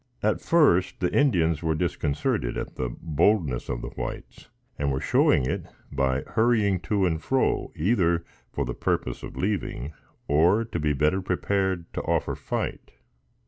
At first the Indians were disconcerted at the boldness of the whites, and were showing it by hurrying to and fro, either for the purpose of leaving or to be better prepared to offer fight.